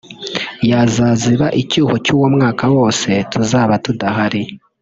yazaziba icyuho cy’uwo mwaka wose tuzaba tudahari